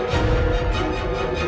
tante itu sudah berubah